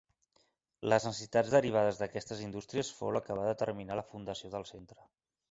Les necessitats derivades d'aquestes indústries fou la que va determinar la fundació del centre.